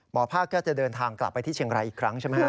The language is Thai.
ภาคก็จะเดินทางกลับไปที่เชียงรายอีกครั้งใช่ไหมครับ